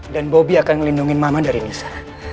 dan bobi akan melindungi mama dari nisa